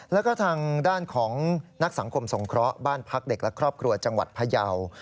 แล้วก็ทางด้านของนักสังคมสงเคราะห์บ้านพักเด็กและครอบครัวจังหวัดพยาว